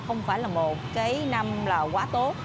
không phải là một cái năm là quá tốt